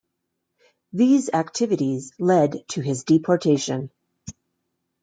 These activities led to his deportation.